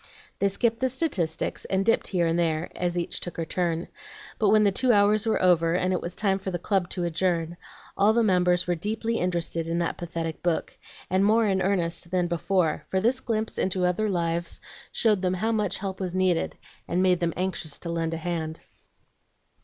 They skipped the statistics, and dipped here and there as each took her turn; but when the two hours were over, and it was time for the club to adjourn, all the members were deeply interested in that pathetic book, and more in earnest than before; for this glimpse into other lives showed them how much help was needed, and made them anxious to lend a hand.